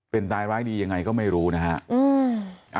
เป็นตายร้ายดียังไงก็ไม่รู้นะครับ